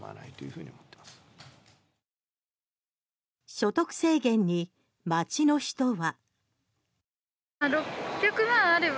所得制限に街の人は。